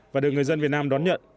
và được người dân việt nam đón nhận